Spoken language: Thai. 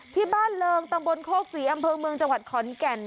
ที่บ้านเริงตำบลโคกศรีอำเภอเมืองจังหวัดขอนแก่น